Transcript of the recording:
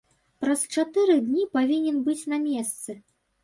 Праз чатыры дні павінен быць на месцы.